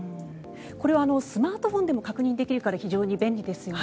これはスマートフォンでも確認できるから非常に便利ですよね。